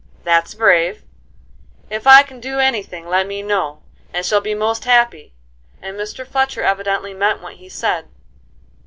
"That's brave! If I can do any thing, let me know; I shall be most happy." And Mr. Fletcher evidently meant what he said.